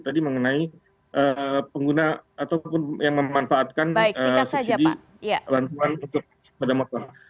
tadi mengenai pengguna ataupun yang memanfaatkan subsidi bantuan untuk sepeda motor